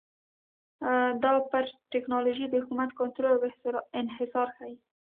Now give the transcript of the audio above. دا پر ټکنالوژۍ د حکومت کنټرول او انحصار ښيي